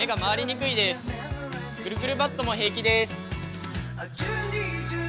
くるくるバットも平気です。